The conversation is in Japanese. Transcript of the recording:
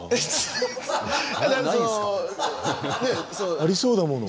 ありそうだもの。